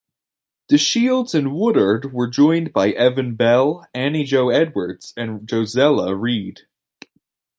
DeShields and Woodard were joined by Evan Bell, Annie Joe Edwards, and Jozella Reed.